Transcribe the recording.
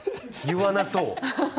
言わなそう！